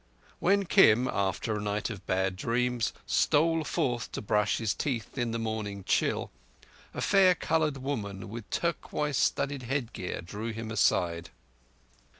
When Kim, after a night of bad dreams, stole forth to brush his teeth in the morning chill, a fair coloured woman with turquoise studded headgear drew him aside.